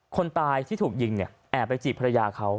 คนตายที่ถูกยิงเนี่ยแอบไปจีบภรรยาเขา